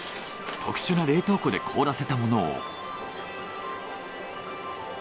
特殊な冷凍庫で凍らせたものを。